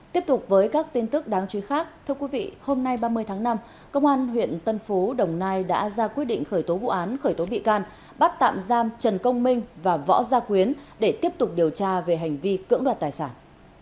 tiếp tục với các tin tức đáng chú ý khác thưa quý vị hôm nay ba mươi tháng năm công an huyện tân phú đồng nai đã ra quyết định khởi tố vụ án khởi tố bị can bắt tạm giam trần công minh và võ gia quyến để tiếp tục điều tra về hành vi cưỡng đoạt tài sản